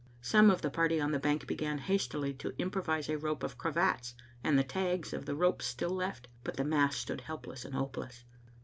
Some of the party on the bank began hastily to improvise a rope of cravats and the tags of the ropes still left, but the mass stood helpless and hopeless.